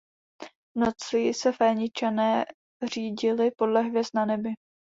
V noci se Féničané řídili podle hvězd na nebi.